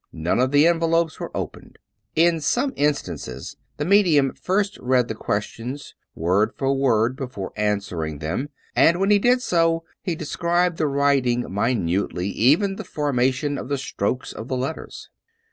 None of the envelopes were opened. In some instances the medium first read the ques tions, word for word, before answering them; and when he did so, he described the writing minutely, even the for mation of the strokes of the letters.